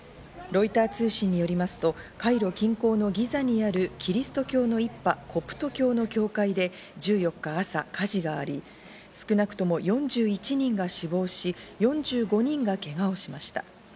ロイター通信によりますとカイロ近郊のギザにあるキリスト教の一派、コプト教の教会で１４日朝、火事があり少なくとも４１人が死亡し４５人がけがをしました。